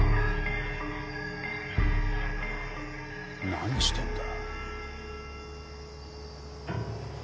何してんだ？